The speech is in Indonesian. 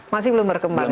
masih belum berkembang ya